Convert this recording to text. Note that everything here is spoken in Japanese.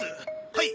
はい！